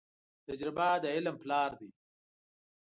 تجربه د علم پلار دي.